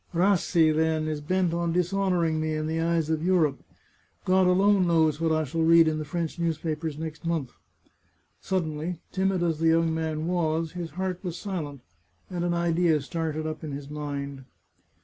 Rassi, then, is bent on dishonouring me in the eyes of Europe. God alone knows what I shall read in the French newspapers next month." Suddenly, timid as the young man was, his heart was silent, and an idea started up in his mind.